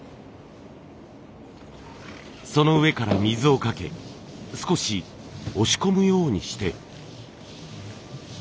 その上から水をかけ少し押し込むようにして。